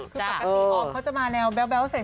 คือปกติออมเขาจะมาแนวแบ๊วเสร็จ